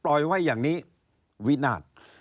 ปล่อยไว้อย่างนี้วินาท